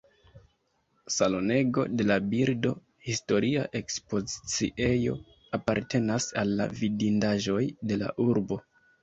Salonego de la birdo, historia ekspoziciejo, apartenas al la vidindaĵoj de la urbo.